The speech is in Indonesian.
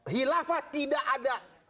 hilafah tidak ada